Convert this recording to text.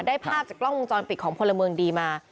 ภาพจากกล้องวงจรปิดของพลเมืองดีมา